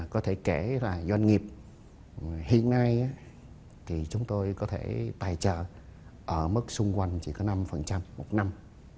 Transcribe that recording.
có thể kể là doanh nghiệp hiện nay thì chúng tôi có thể tài trợ ở mức xung quanh chỉ có năm một năm